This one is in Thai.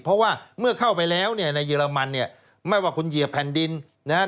เพราะว่าเมื่อเข้าไปแล้วเนี่ยในเรมันเนี่ยไม่ว่าคุณเหยียบแผ่นดินนะครับ